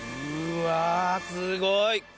うわぁ、すごい！